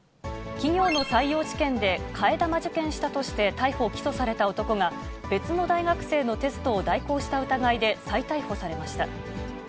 企業の採用試験で、替え玉受験したとして逮捕・起訴された男が、別の大学生のテストを代行した疑いで再逮捕されました。